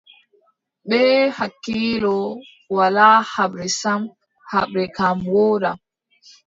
Bee hakkiilo, walaa haɓre sam, haɓre kam wooda.